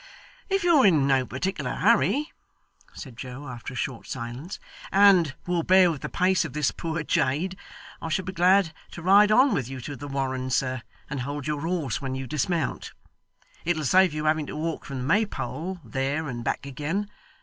'If you're in no particular hurry,' said Joe after a short silence, 'and will bear with the pace of this poor jade, I shall be glad to ride on with you to the Warren, sir, and hold your horse when you dismount. It'll save you having to walk from the Maypole, there and back again.